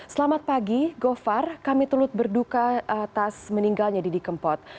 selamat pagi gofar kami tulut berduka atas meninggalnya didi kempot